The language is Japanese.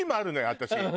私。